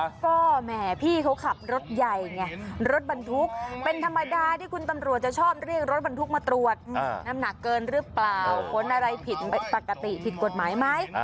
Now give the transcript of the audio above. แล้วก็แหมพี่เขาขับรถใหญ่ไงรถบรรทุกเป็นธรรมดาที่คุณตำรวจจะชอบเรียกรถบรรทุกมาตรวจน้ำหนักเกินหรือเปล่าผลอะไรผิดปกติผิดกฎหมายไหม